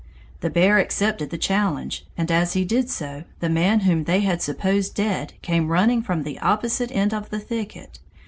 The bear accepted the challenge, and as he did so, the man whom they had supposed dead came running from the opposite end of the thicket.